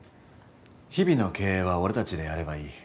日々の経営は俺たちでやればいい。